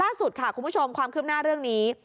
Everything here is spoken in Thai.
ล่าสุดค่ะคุณผู้ชมความคืบหน้าเรื่องนี้